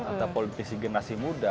atau politisi generasi muda